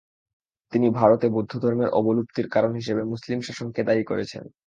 তিনি ভারতে বৌদ্ধধর্মের অবলুপ্তির কারণ হিসেবে মুসলিম শাসনকে দায়ী করেছেন।